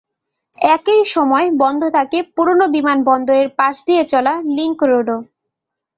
একই সময় বন্ধ থাকে পুরোনো বিমানবন্দরের পাশ দিয়ে চলা লিংক রোডও।